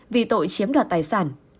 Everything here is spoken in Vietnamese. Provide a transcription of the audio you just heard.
vì tội chiếm đoạt tài sản